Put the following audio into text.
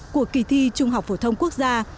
của kỳ thi trung học phổ thông quốc gia